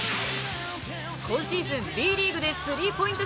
今シーズン、Ｂリーグでスリーポイント